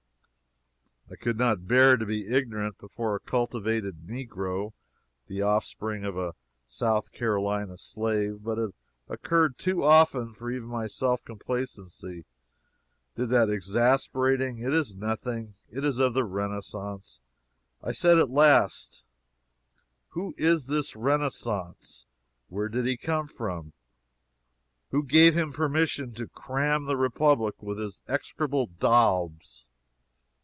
I could not bear to be ignorant before a cultivated negro, the offspring of a South Carolina slave. But it occurred too often for even my self complacency, did that exasperating "It is nothing it is of the Renaissance." I said at last: "Who is this Renaissance? Where did he come from? Who gave him permission to cram the Republic with his execrable daubs?"